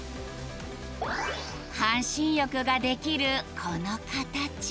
半身浴ができるこのカタチ。